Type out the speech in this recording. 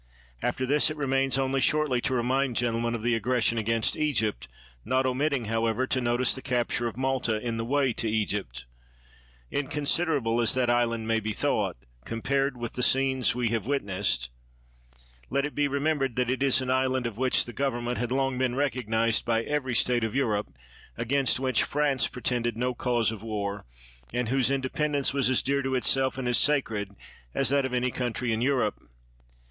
After this, it remains only shortly to remind gentlemen of the aggression against Egypt, not omitting, however, to notice the capture of Malta in the way to Egypt. Inconsiderable as that island may be thought, compared with the scenes we have witnessed, let it be remembered that it is an island of which the government 11 THE WORLD'S FAMOUS ORATIONS had long been recognized by every state of Eu rope, against which France pretended no cause of war, and whose independence was as dear to itself and as sacred as that of any country in Europe.